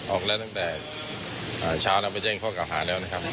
ออกแล้วตั้งแต่อ่าเช้านะไปแจ้งพกพาอาหาแล้วนะครับ